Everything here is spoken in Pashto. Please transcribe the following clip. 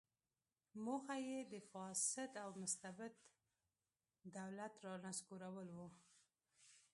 موخه یې د فاسد او مستبد دولت رانسکورول و.